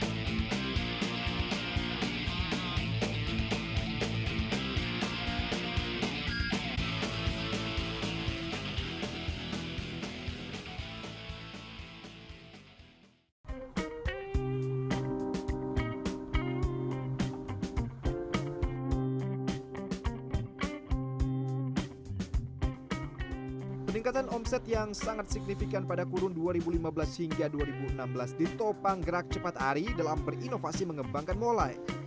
peningkatan omset yang sangat signifikan pada kurun dua ribu lima belas hingga dua ribu enam belas ditopang gerak cepat ari dalam berinovasi mengembangkan molai